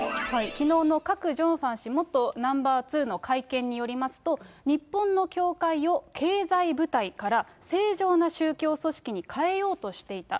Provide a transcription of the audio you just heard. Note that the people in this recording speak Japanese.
きのうのクァク・ジョンファン氏、元ナンバー２の会見によりますと、日本の教会を経済部隊から正常な宗教組織に変えようとしていた。